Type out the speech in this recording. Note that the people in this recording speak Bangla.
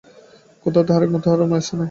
কোথাও তাহার এক মুহূর্তের আরামের স্থান নাই।